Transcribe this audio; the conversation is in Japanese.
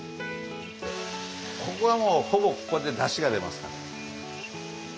ここはもうほぼここでだしが出ますから。